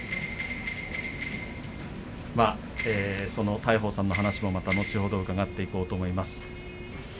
その大鵬さんのお話も後ほど伺っていこうと思います。